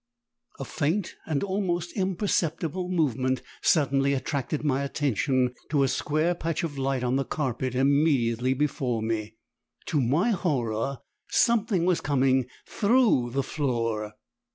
A faint and almost imperceptible movement suddenly attracted my attention to a square patch of light on the carpet immediately before me. To my horror something was coming THROUGH the floor.